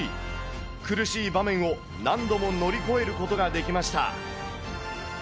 苦しい場面を何度も乗り越えることができました。